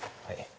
はい